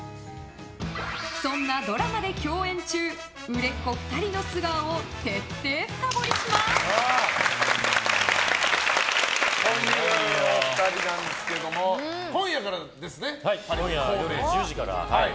そんな、ドラマで共演中売れっ子２人の素顔を徹底深掘りします！というお二人なんですけども今夜からですね。